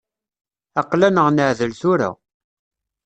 Aql-aneɣ neɛdel tura.